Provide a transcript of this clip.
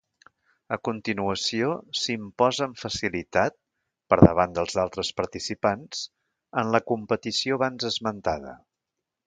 A continuació, s'imposa amb facilitat, per davant dels altres participants, en la competició abans esmentada.